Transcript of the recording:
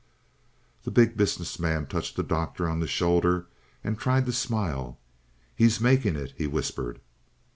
The Big Business Man touched the Doctor on the shoulder and tried to smile. "He's making it," he whispered.